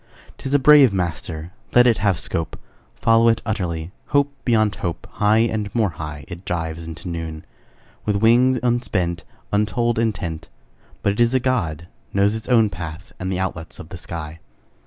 'Tis a brave master; Let it have scope: Follow it utterly, Hope beyond hope: High and more high It dives into noon, With wing unspent, Untold intent; But it is a God, Knows its own path And the outlets of the sky.